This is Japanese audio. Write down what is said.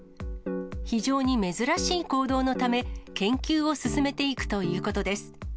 非常に珍しい行動のため、研究を進めていくということです。